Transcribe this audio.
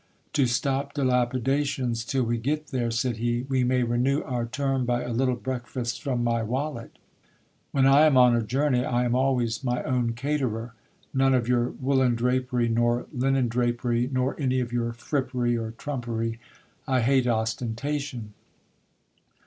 To stop dilapidations till we get there, said he, we may renew our term by a little breakfast from my wallet. When I am on a journey I am always my own caterer. None of your woollen drapery, nor linen drapery, nor any of your frippery or trumpery. I hate ostentation.